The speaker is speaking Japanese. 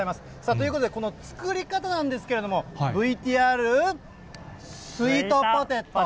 ということで、この作り方なんですけれども、ＶＴＲスイートポテト。